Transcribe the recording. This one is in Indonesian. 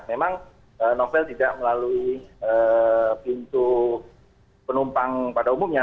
memang novel tidak melalui pintu penumpang pada umumnya